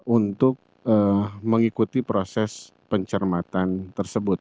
untuk mengikuti proses pencermatan tersebut